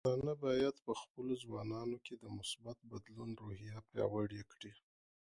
پښتانه بايد په خپلو ځوانانو کې د مثبت بدلون روحیه پیاوړې کړي.